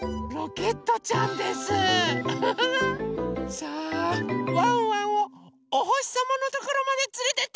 さあワンワンをおほしさまのところまでつれてって！